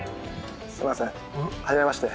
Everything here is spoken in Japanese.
すみません初めまして。